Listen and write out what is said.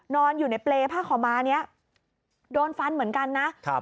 นอนอยู่ในเปลผ้าขอม้านี้โดนฟันเหมือนกันนะ